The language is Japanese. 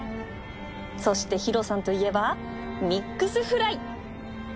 そしてヒロさんといえばミックスフライ！